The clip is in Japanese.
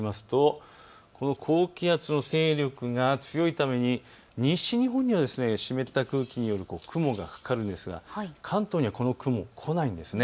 この高気圧の勢力が強いために西日本には湿った空気による雲がかかるんですが関東にはこの雲、来ないんですね。